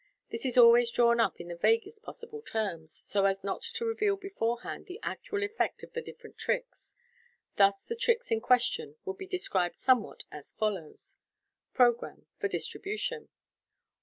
This is always dnwn up in the vaguest possible terms, so as not to reveal beforehand the actual effect of the different tricks. Thus the tricks in question would be described somewhat as follows j ~ Programme (for distribution).